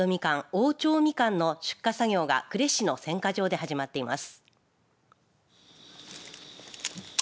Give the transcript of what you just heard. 大長みかんの出荷作業が呉市の選果場で始まっています。